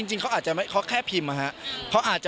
จริงเขาแค่พิมพ์อะฮะ